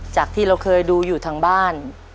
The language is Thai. จากที่เราเคยดูอยู่ทางบ้าน